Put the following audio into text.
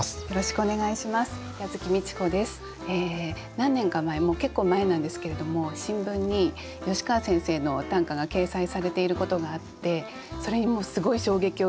何年か前もう結構前なんですけれども新聞に吉川先生の短歌が掲載されていることがあってそれにもうすごい衝撃を受けて。